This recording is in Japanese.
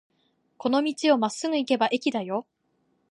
この道をまっすぐ行けば駅だよ。